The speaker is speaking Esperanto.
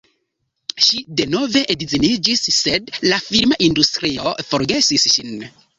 Ŝi denove edziniĝis sed la filma industrio forgesis ŝin.